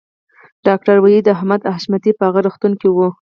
ډاکټر وحید احمد حشمتی په هغه روغتون کې و